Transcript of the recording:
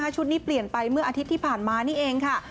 ชุดนี้เปลี่ยนไปเมื่ออาทิตย์ที่ผ่านมา